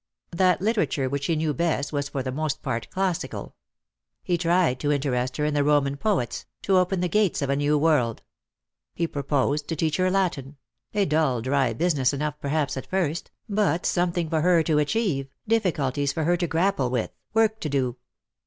That literature which he knew best was for the most part classical. He tried to interest her in the Boman poets, to open the gates of a new world. He proposed to teach her Latin ; a dull dry business enough perhaps at first, but something for her to achieve, difficulties for her to grapple with, work to do.